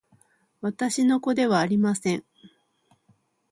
私の子ではありません